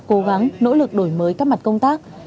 cố gắng nỗ lực đổi mới các mặt công tác